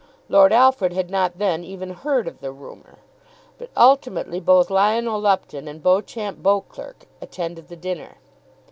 Lord Alfred had not then even heard of the rumour. But ultimately both Lionel Lupton and Beauchamp Beauclerk attended the dinner.